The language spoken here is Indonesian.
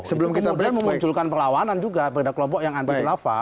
sebelum kemudian memunculkan perlawanan juga pada kelompok yang anti khilafah